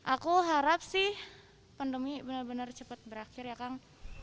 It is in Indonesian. aku harap sih pandemi benar benar cepat berakhir ya kang